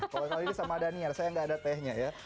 kalau ini sama daniel saya nggak ada tehnya ya